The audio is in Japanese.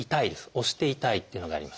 押して痛いっていうのがあります。